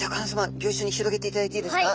ギョいっしょに広げていただいていいですか？